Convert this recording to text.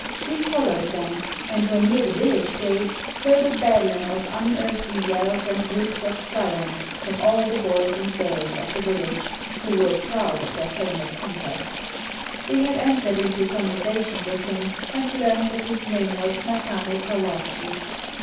We followed them, and when near the village gate heard a bedlam of unearthly yells and whoops of triumph from all the boys and girls of the village, who were proud of their famous hunter. We had entered into conversation with him, and learned that his name was Nakano Kawachi.